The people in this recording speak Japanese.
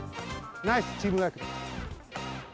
ナイスチームワークだ。